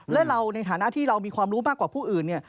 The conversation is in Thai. และเราในฐานะที่เรามีความรู้มากกว่าผู้อื่นเนี่ย